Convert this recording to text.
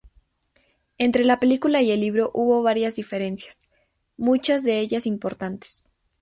Entre la película y el libro hubo varias diferencias, muchas de ellas importantes.